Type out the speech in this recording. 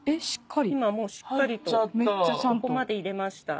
今もうしっかりとここまで入れました。